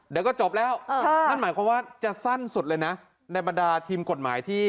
เดี๋ยวก็จบแล้วนั่นหมายความว่าจะสั้นสุดเลยนะในบรรดาทีมกฎหมายที่